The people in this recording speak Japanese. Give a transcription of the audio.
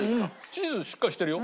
チーズしっかりしてるよ。